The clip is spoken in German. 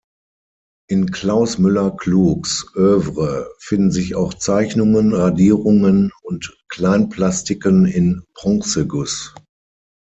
In Klaus Müller-Klugs Œuvre finden sich auch Zeichnungen, Radierungen und Kleinplastiken in Bronzeguss.